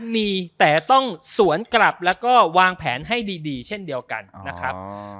มีแต่ต้องสวนกลับแล้วก็วางแผนให้ดีเช่นเดียวกันนะครับ